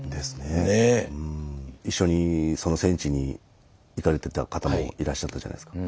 一緒にその戦地に行かれてた方もいらっしゃったじゃないですか。